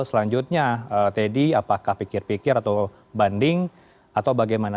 selanjutnya teddy apakah pikir pikir atau banding atau bagaimana